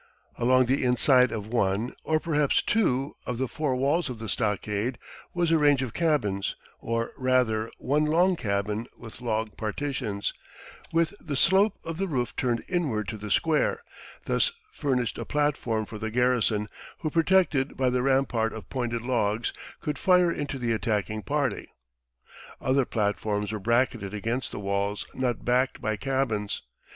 Along the inside of one, or perhaps two, of the four walls of the stockade was a range of cabins or rather, one long cabin with log partitions with the slope of the roof turned inward to the square; this furnished a platform for the garrison, who, protected by the rampart of pointed logs, could fire into the attacking party. Other platforms were bracketed against the walls not backed by cabins.